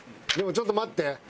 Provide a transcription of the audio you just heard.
ちょっと待って。